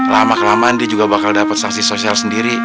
lama kelamaan dia juga bakal dapat sanksi sosial sendiri